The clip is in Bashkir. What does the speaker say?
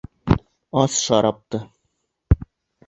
Ас шарапты!